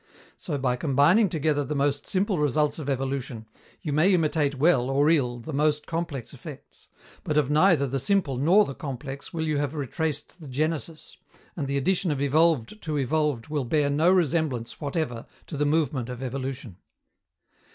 So, by combining together the most simple results of evolution, you may imitate well or ill the most complex effects; but of neither the simple nor the complex will you have retraced the genesis, and the addition of evolved to evolved will bear no resemblance whatever to the movement of evolution.